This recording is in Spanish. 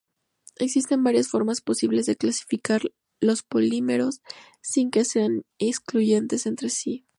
Existen varias formas posibles de clasificar los polímeros, sin que sean excluyentes entre sí.